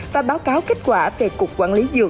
và báo cáo kết quả về cục quản lý dược